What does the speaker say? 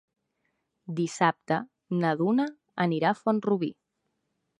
Dissabte na Duna anirà a Font-rubí.